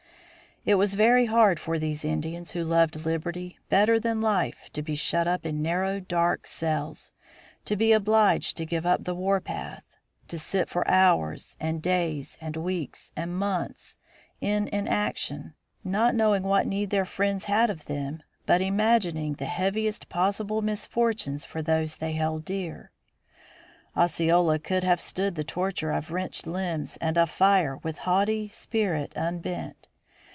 It was very hard for these Indians who loved liberty better than life to be shut up in narrow dark cells, to be obliged to give up the warpath, to sit for hours, and days, and weeks, and months in inaction, not knowing what need their friends had of them but imagining the heaviest possible misfortunes for those they held dear. [Illustration: FORT SAN MARCO] Osceola could have stood the torture of wrenched limbs and of fire with haughty spirit unbent.